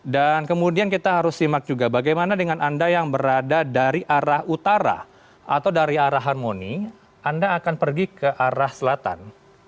dan kemudian kita harus simak juga bagaimana dengan anda yang berada dari arah utara atau dari arah harmoni anda akan pergi ke arah selatan